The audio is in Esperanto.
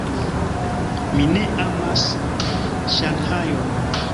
Mi ne amas Ŝanhajon.